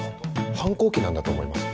反抗期なんだと思います。